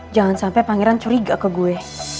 jangan sampai pangeran curiga ke gue